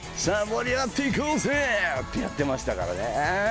「さあ盛り上がっていこうぜ」ってやってましたからね。